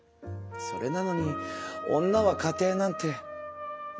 それなのに女は家庭なんて男女差別よ！